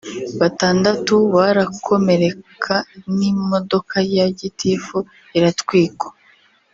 batandatu barakomereka n’imodoka ya gitifu iratwikwa